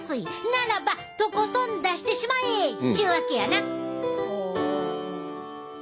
ならばとことん出してしまえっちゅうわけやな。